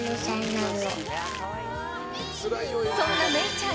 そんな芽唯ちゃん